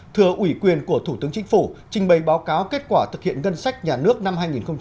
thừa ủy quyền của thủ tướng chính phủ trình bày báo cáo kết quả thực hiện ngân sách nhà nước năm hai nghìn một mươi chín